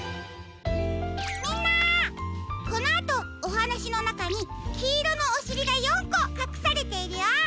みんなこのあとおはなしのなかにきいろのおしりが４こかくされているよ。